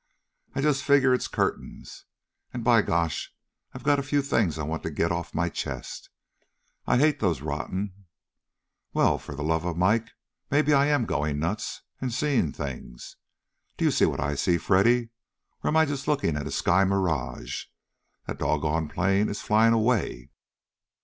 I just figure it's curtains, and, by gosh, I've got a few things I want to get off my chest. I hate those rotten Well, for the love of Mike, maybe I am going nuts, and seeing things! Do you see what I see, Freddy? Or am I just looking at a sky mirage? _That doggone plane is flying away!